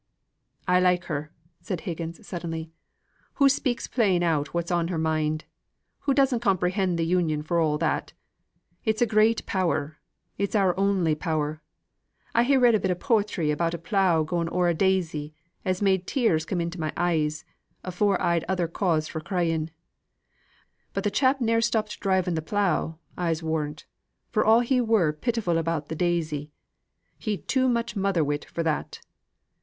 "I like her," said Higgins, suddenly. "Hoo speaks plain out what's in her mind. Hoo doesn't comprehend th' Union for all that. It's a great power: it's our only power. I ha' read a bit o' poetry about a plough going o'er a daisy, as made tears come into my eyes, afore I'd other cause for crying. But the chap ne'er stopped driving the plough, I'se warrant, for all he was pitiful about the daisy. He'd too much mother wit for that.